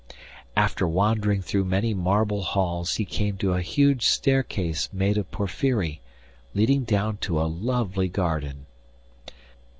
After wandering through many marble halls, he came to a huge staircase made of porphyry, leading down to a lovely garden.